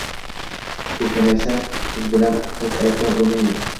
Suvi kamaysa, siz bilan biz aybdor bo‘lmaymiz.